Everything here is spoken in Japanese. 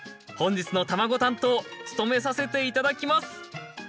本日の卵担当務めさせていただきます！